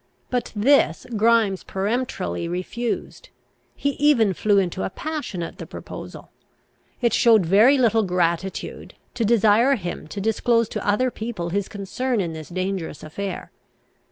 But this Grimes peremptorily refused. He even flew into a passion at the proposal. It showed very little gratitude, to desire him to disclose to other people his concern in this dangerous affair.